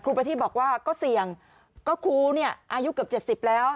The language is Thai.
ครูประทีพบอกว่าก็เสี่ยงก็ครูเนี่ยอายุเกือบ๗๐แล้ว